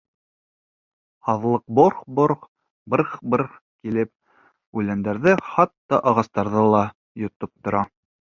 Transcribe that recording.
— Һаҙлыҡ борх-борх, брррх-брррх килеп, үләндәрҙе, хатта, ағастарҙы ла йотоп тора.